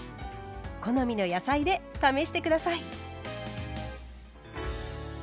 好みの野菜で試して下さい。